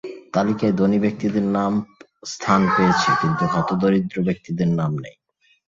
তালিকায় ধনী ব্যক্তিদের নাম স্থান পেয়েছে, কিন্তু হতদরিদ্র ব্যক্তিদের নাম নেই।